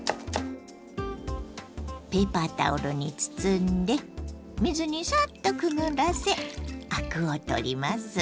ペーパータオルに包んで水にサッとくぐらせアクを取ります。